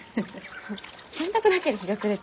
洗濯だけで日が暮れちゃう。